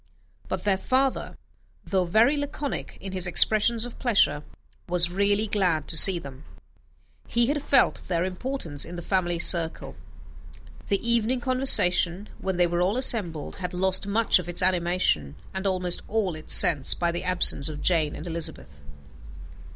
But their father, though very laconic in his expressions of pleasure, was really glad to see them; he had felt their importance in the family circle. The evening conversation, when they were all assembled, had lost much of its animation, and almost all its sense, by the absence of Jane and Elizabeth.